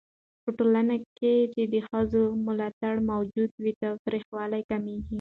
په ټولنه کې چې د ښځو ملاتړ موجود وي، تاوتريخوالی کمېږي.